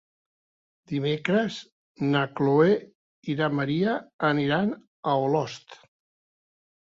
Dimecres na Chloé i na Maria aniran a Olost.